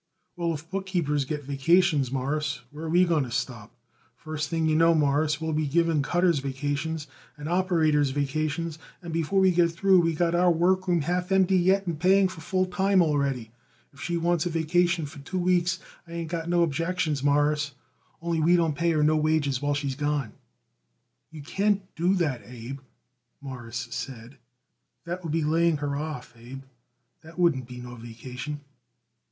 "Well, if bookkeepers gets vacations, Mawruss, where are we going to stop? First thing you know, Mawruss, we'll be giving cutters vacations, and operators vacations, and before we get through we got our workroom half empty yet and paying for full time already. If she wants a vacation for two weeks I ain't got no objections, Mawruss, only we don't pay her no wages while she's gone." "You can't do that, Abe," Morris said. "That would be laying her off, Abe; that wouldn't be no vacation."